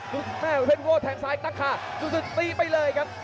เทศวิโว้แทงซ้ายตั้งค่าดูสิตีไปเลยครับ